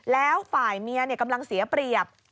แล้วฝ่ายเมียกำลังเสียเปรียบ